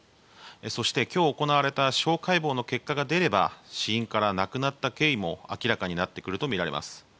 そして今日行われた司法解剖の結果が出れば死因から亡くなった経緯も明らかになってくるとみられます。